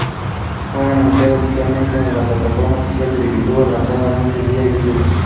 Fue anunciado oficialmente en la plataforma oficial del juego y lanzaron anuncios vía Youtube.